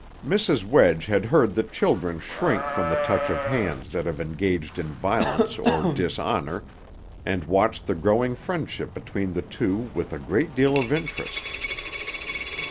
Mrs. Wedge had heard that children shrink from the touch of hands that have engaged in violence or dishonor, and watched the growing friendship between the two with a great deal of interest.